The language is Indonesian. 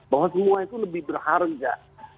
bahwa semua itu lebih berharga